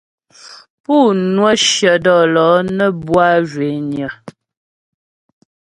Pú ŋwə shyə dɔ̌lɔ̌ nə́ bwâ zhwényə.